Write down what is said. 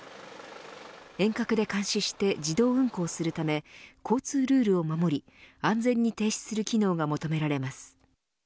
遠隔で監視して自動運行するため交通ルールを守り安全に停止する機能が求められます。